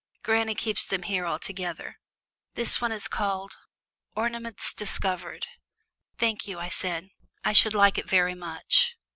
Granny keeps them here all together. This one is called Ornaments Discovered." "Thank you," I said. "Yes, I should like it very much."